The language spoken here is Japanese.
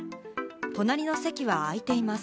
隣の席は空いています。